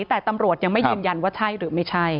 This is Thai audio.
แต่ตำรวจยังไม่ยืนยันว่าใช่หรือไม่ใช่